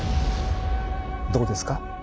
どうですか？